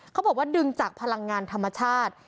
เขาบอกว่าดึงจากพลังงานธรรมชาติ